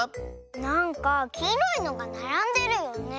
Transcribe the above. なんかきいろいのがならんでるよね。